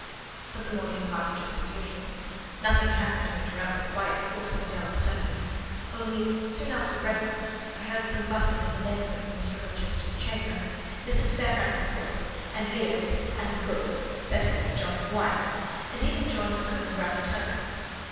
But the morning passed just as usual: nothing happened to interrupt the quiet course of Adèle's studies; only soon after breakfast, I heard some bustle in the neighbourhood of Mr. Rochester's chamber, Mrs. Fairfax's voice, and Leah's, and the cook's—that is, John's wife—and even John's own gruff tones.